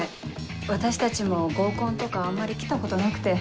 私たちも合コンとかあんまり来たことなくて。